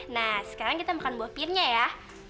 nah sekarang kita makan buah pirnya ya